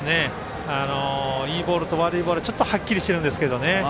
いいボールと悪いボールがはっきりしているんですけどね。